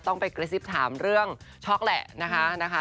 ไปกระซิบถามเรื่องช็อกแหละนะคะ